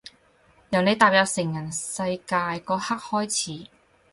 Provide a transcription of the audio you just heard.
由你踏入成人世界嗰刻開始